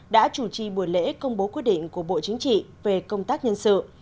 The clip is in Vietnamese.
đã chủ trì buổi lễ công bố quyết định của bộ chính trị về công tác nhân sự